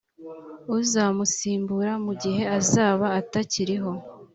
uzamusimbura mu gihe azaba atakiriho